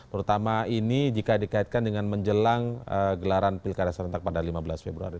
terutama ini jika dikaitkan dengan menjelang gelaran pilkada serentak pada lima belas februari